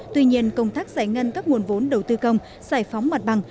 tuy nhiên công tác giải ngân các nguồn vốn đầu tư công giải phóng mặt bằng